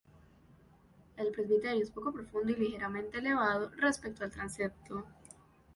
El presbiterio es poco profundo y ligeramente elevado, respecto al transepto.